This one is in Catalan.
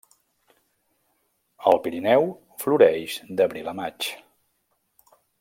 Al Pirineu floreix d'abril a maig.